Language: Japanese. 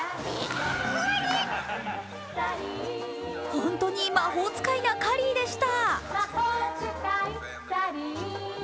ホントに魔法使いなカリーでした。